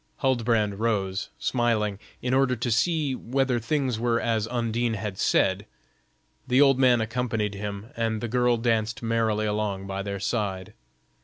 Huldbrand rose, smiling, in order to see whether things were as Undine had said; the old man accompanied him, and the girl danced merrily along by their side.